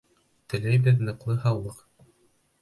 Теләйбеҙ ныҡлы һаулыҡ!